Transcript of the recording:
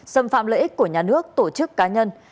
xâm phạm lợi ích của nhà nước tổ chức cá nhân